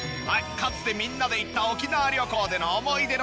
かつてみんなで行った沖縄旅行での思い出の味